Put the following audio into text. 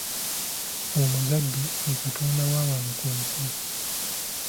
Omuzadde ye katonda wa wano ku nsi.